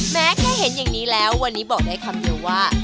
แม้แค่เห็นอย่างนี้แล้ววันนี้บอกได้คำเดียวว่า